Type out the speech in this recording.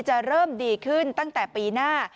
จะเริ่มดีขึ้นตั้งแต่ปีหน้า